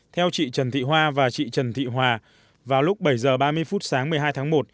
theo chị trần thị hoa và chị trần thị hòa vào lúc bảy h ba mươi phút sáng một mươi hai tháng một